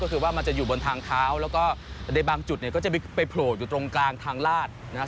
ก็คือว่ามันจะอยู่บนทางเท้าแล้วก็ในบางจุดเนี่ยก็จะไปโผล่อยู่ตรงกลางทางลาดนะครับ